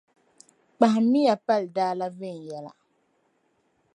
Kpahimmiya paldaa la viɛnyɛliŋga.